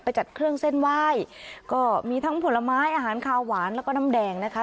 จัดเครื่องเส้นไหว้ก็มีทั้งผลไม้อาหารคาวหวานแล้วก็น้ำแดงนะคะ